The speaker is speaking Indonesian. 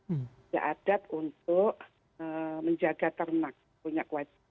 ada adat untuk menjaga ternak punya kuat